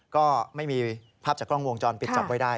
ก็ไม่มีภาพจากกล้องวงจรปิดจับไว้ได้